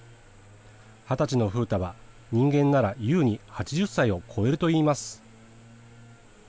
２０歳の風太は人間なら優に８０歳を超えるといいます。